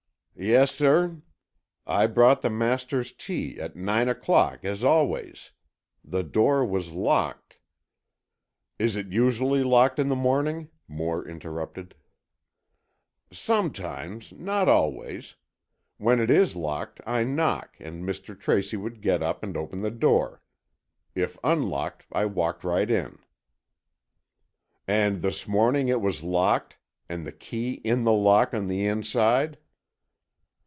"Yes, sir, I brought the master's tea at nine o'clock, as always. The door was locked——" "Is it usually locked in the morning?" Moore interrupted. "Sometimes, not always. When it is locked, I knock and Mr. Tracy would get up and open the door. If unlocked, I walked right in." "And this morning it was locked, and the key in the lock on the inside?"